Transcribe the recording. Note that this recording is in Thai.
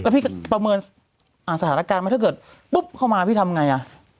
แล้วพี่ก็ประเมินสถานการณ์ถ้าเกิดปุ๊บเข้ามาพี่ทำยังไง